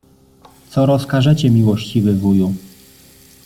Co rozkażecie, miłościwy wuju?